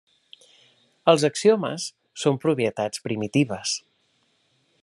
Els axiomes són propietats primitives.